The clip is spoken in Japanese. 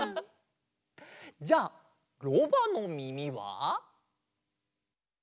じゃあろばのみみは？